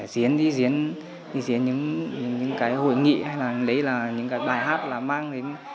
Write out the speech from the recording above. phải diễn đi diễn những cái hội nghị hay là lấy là những cái bài hát là mang đến